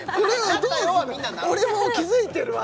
俺も気付いてるわ